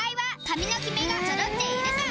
髪のキメがそろっているか！？